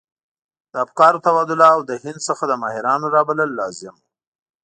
د افکارو تبادله او له هند څخه د ماهرانو رابلل لازم وو.